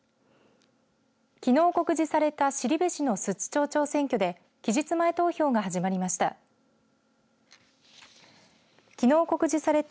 きのう告示された後志の寿都町長選挙で期日前投票が始まりました。